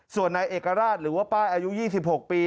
ส่วนนายเอกราชหรือว่าป้ายอายุ๒๖ปี